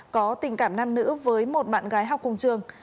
có tình cảm nam nữ với một bạn gái học cùng trường